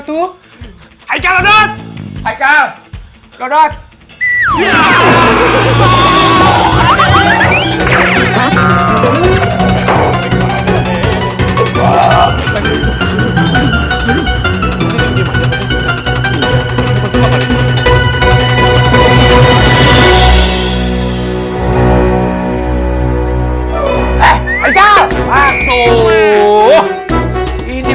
tuh hai kalau not hai kau dodot ya hai kau